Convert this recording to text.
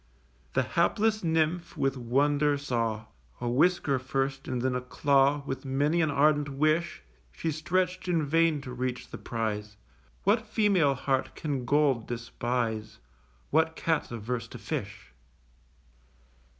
The hapless Nymph with wonder saw: A whisker first and then a claw, With many an ardent wish, She stretch'd in vain to reach the prize. What female heart can gold despise? What Cat's averse to fish?